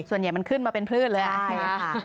ส่วนใหญ่มันขึ้นมาเป็นพืชเลยใช่ค่ะ